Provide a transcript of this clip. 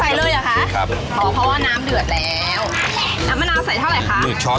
เตรียมได้ขึ้น